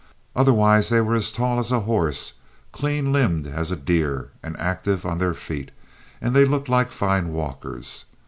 Otherwise they were tall as a horse, clean limbed as a deer, and active on their feet, and they looked like fine walkers.